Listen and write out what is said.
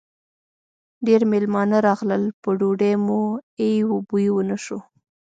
ډېر مېلمانه راغلل؛ په ډوډۍ مو ای و بوی و نه شو.